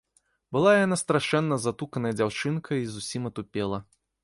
Была яна страшэнна затуканая дзяўчынка і зусім атупела.